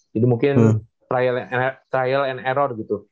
jadi mungkin trial and error gitu